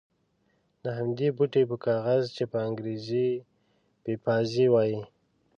د همدې بوټي په کاغذ چې په انګرېزي پپیازي وایي.